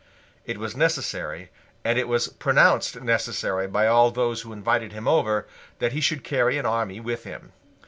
It was necessary, and it was pronounced necessary by all those who invited him over, that he should carry an army with him.